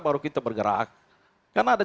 baru kita bergerak karena ada